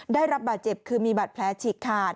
ได้รับบาดเจ็บคือมีบาดแผลฉีกขาด